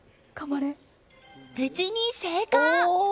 無事に成功！